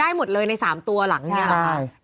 ได้หมดเลยใน๓ตัวหลังเนี่ยใช่